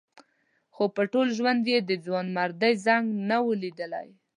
خو په ټول ژوند یې د ځوانمردۍ زنګ نه و لیدلی.